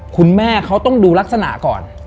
คุณแม่เขาต้องดูลักษณะก่อน